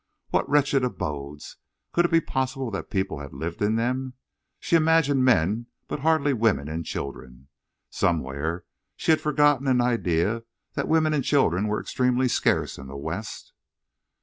What wretched abodes! Could it be possible that people had lived in them? She imagined men had but hardly women and children. Somewhere she had forgotten an idea that women and children were extremely scarce in the West.